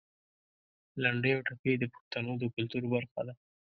لنډۍ او ټپې د پښتنو د کلتور برخه ده.